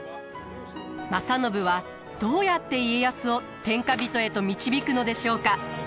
正信はどうやって家康を天下人へと導くのでしょうか？